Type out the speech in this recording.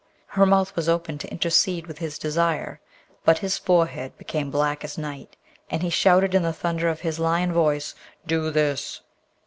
Her mouth was open to intercede with his desire, but his forehead became black as night, and he shouted in the thunder of his lion voice, 'Do this!'